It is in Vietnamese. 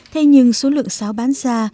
thay nhưng số lượng xáo bán ra